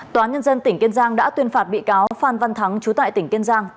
tòa nhân dân tỉnh kiên giang đã tuyên phạt bị cáo phan văn thắng chú tại tỉnh kiên giang